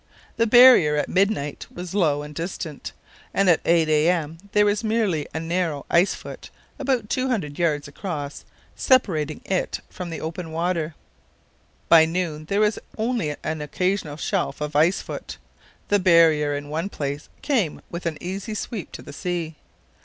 The barrier at midnight was low and distant, and at 8 a.m. there was merely a narrow ice foot about two hundred yards across separating it from the open water. By noon there was only an occasional shelf of ice foot. The barrier in one place came with an easy sweep to the sea.